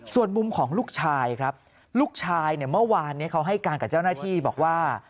ส่วนมุมของลูกชายครับลูกชายเนี่ยเมื่อวานเขาให้การกับเจ้าหน้าที่บอกว่า